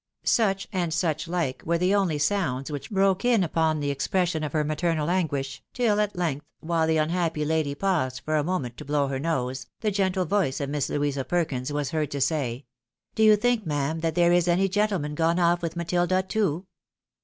Such and such hke were the only sounds which broke in upon the expression of her mental anguish, tOl at length, while the unhappy lady paiised for a moment to blow her nose, the gentle voice of Miss Louisa Perkins was heard to say, " Do you think, ma'am, that there is any gentleman gone off with Matilda too